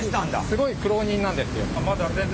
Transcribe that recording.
すごい苦労人なんですよ。